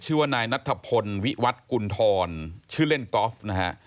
ชื่อว่านายนัทพลวิวัตกุณฑรชื่อเล่นกอล์ฟนะฮะ